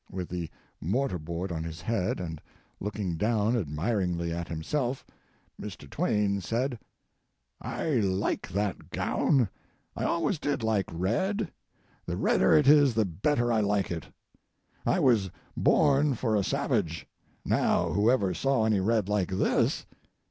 With the mortar board on his head, and looking down admiringly at himself, Mr. Twain said ] I like that gown. I always did like red. The redder it is the better I like it. I was born for a savage. Now, whoever saw any red like this?